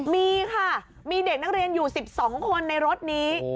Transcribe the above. มีค่ะมีเด็กนักเรียนอยู่๑๒คนในรถนี้